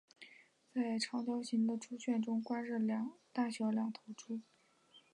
在长条形的猪圈中关着大小两头猪。